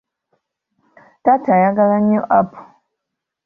Taata ayagala nnyo apo.